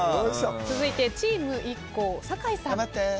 続いてチームＩＫＫＯ酒井さん。